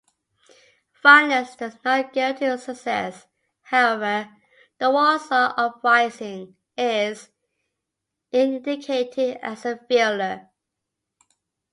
Violence does not guarantee success, however; the Warsaw uprising is indicated as a failure.